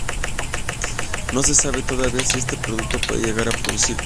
No se sabe todavía si este producto puede llegar a producir cáncer.